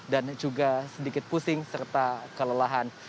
dan juga sedikit pusing serta kelelahan